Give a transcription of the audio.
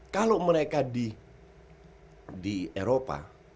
kalau mereka di eropa